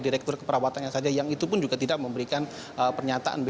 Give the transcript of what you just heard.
direktur keperawatannya saja yang itu pun juga tidak memberikan pernyataan